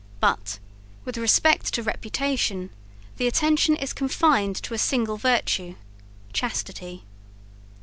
But, with respect to reputation, the attention is confined to a single virtue chastity.